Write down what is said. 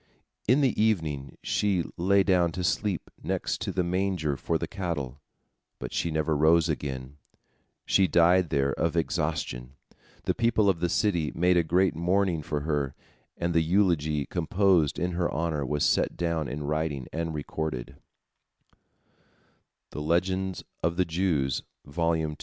In the evening she lay down to sleep next to the manger for the cattle, but she never rose again, she died there of exhaustion. The people of the city made a great mourning for her, and the elegy composed in her honor was set down in writing and recorded.